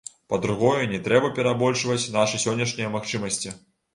Па-другое, не трэба перабольшваць нашы сённяшняя магчымасці.